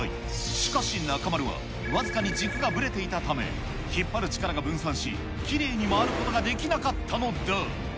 しかし中丸は、僅かに軸がぶれていたため、引っ張る力が分散し、きれいに回ることができなかったのだ。